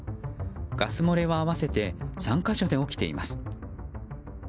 ガス漏れは合わせて３か所で起きています。